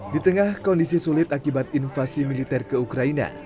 di tengah kondisi sulit akibat invasi militer ke ukraina